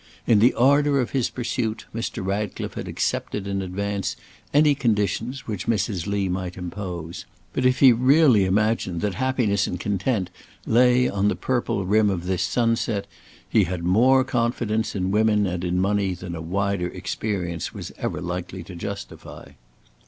In the ardour of his pursuit, Mr. Ratcliffe had accepted in advance any conditions which Mrs. Lee might impose, but if he really imagined that happiness and content lay on the purple rim of this sunset, he had more confidence in women and in money than a wider experience was ever likely to justify.